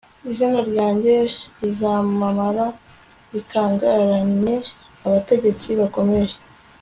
izina ryanjye rizamamara rikangaranye abategetsi bakomeye